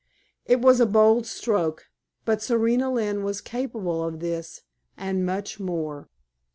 It was a bold stroke, but Serena Lynne was capable of this, and much more.